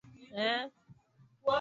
Hata hivyo Pascoe amekuwa mvumilivu